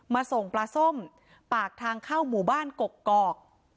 มาส่งปลาส้มปากทางเข้าหมู่บ้านกกอก